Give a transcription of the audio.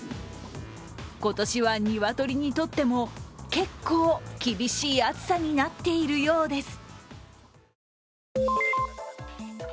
今年は鶏にとっても、結構厳しい暑さになっているようです。